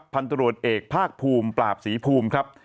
พันตรวจเอกภาคภูมิปราบศรีภูมิครับ